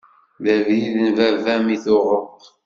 D abrid n baba-m i tuɣeḍ.